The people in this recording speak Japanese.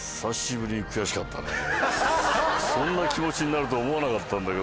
そんな気持ちになるとは思わなかったんだけどね。